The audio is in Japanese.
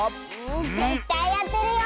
ぜったいあてるよ！。